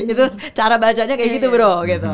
itu cara bacanya kayak gitu bro gitu